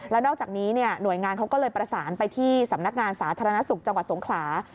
แล้วนอกจากนี้หน่วยงานเขาก็เลยประสานไปที่สำนักงานสาธารณสุขจังหวัดสงขลา